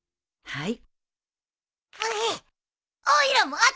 はい。